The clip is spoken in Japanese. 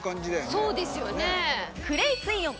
そうですよね。